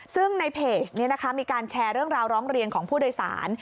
ซึ่งในเพจนี้นะคะมีการแชร์เรื่องราวร้องเรียนของผู้โดยสาร